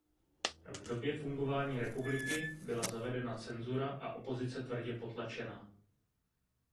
V době fungování republiky byla zavedena cenzura a opozice tvrdě potlačena.